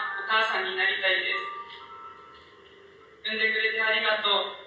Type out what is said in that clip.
産んでくれてありがとう。